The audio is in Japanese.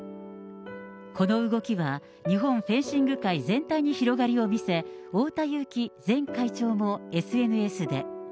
この動きは日本フェンシング界全体に広がりを見せ、太田雄貴前会長もＳＮＳで。